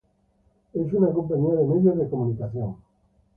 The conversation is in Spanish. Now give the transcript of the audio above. Es una compañía de medios de comunicación.